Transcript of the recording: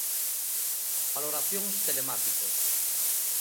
Valoracións telemáticas.